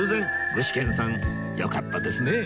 具志堅さんよかったですね